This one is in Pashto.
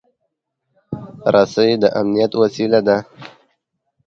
رسۍ د امنیت وسیله هم ده.